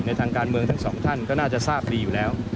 ทางการเมืองทั้งสองท่านก็น่าจะทราบดีอยู่แล้ว